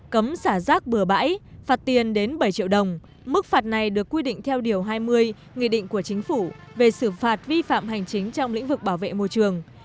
cấm xả rác bừa bãi phạt tiền đến bảy triệu đồng mức phạt này được quy định theo điều hai mươi nghị định của chính phủ về xử phạt vi phạm hành chính trong lĩnh vực bảo vệ môi trường